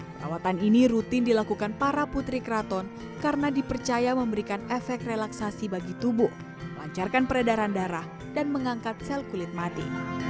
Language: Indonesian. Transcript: perawatan ini rutin dilakukan para putri keraton karena dipercaya memberikan efek relaksasi bagi tubuh melancarkan peredaran darah dan mengangkat sel kulit mati